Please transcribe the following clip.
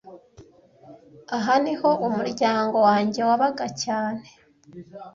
Aha niho umuryango wanjye wabaga cyane